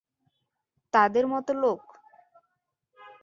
তাদের মতো লোক!